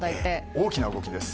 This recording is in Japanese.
大きな動きです。